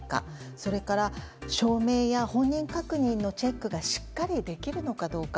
それから、証明や本人確認のチェックがしっかりできるのかどうか。